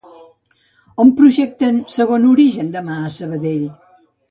On projecten "Segon origen" demà a Sabadell?